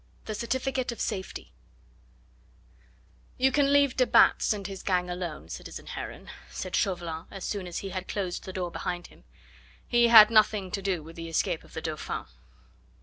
THE CERTIFICATE OF SAFETY "You can leave de Batz and his gang alone, citizen Heron," said Chauvelin, as soon as he had closed the door behind him; "he had nothing to do with the escape of the Dauphin."